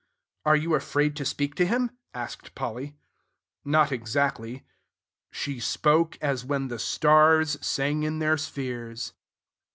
"Are you afraid to speak to him?" asked Polly. Not exactly, ...."she spoke as when The stars sang in their spheres.